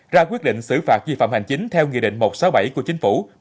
ra quyết định xử phạt di phạm hành chính theo nghị định một trăm sáu mươi bảy của chính phủ